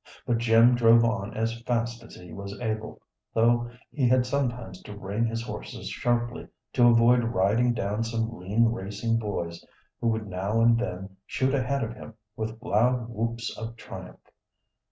But Jim drove on as fast as he was able, though he had sometimes to rein his horse sharply to avoid riding down some lean racing boys, who would now and then shoot ahead of him with loud whoops of triumph.